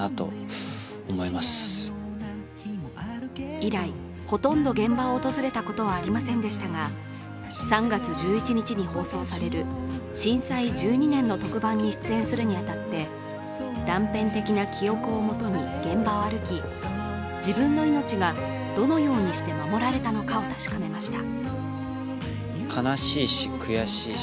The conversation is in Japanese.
以来、ほとんど現場を訪れたことはありませんでしたが３月１１日に放送される震災１２年の特番に出演するに当たって断片的な記憶をもとに現場を歩き自分の命がどのようにして守られたのかを確かめました。